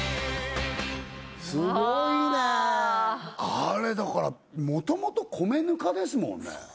あれだからもともと米ぬかですもんね